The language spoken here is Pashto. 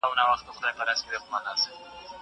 کېدای سي فکر ستونزي ولري!!